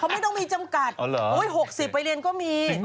ไม่ต้องมีจำกัด๖๐ไปเรียนก็มี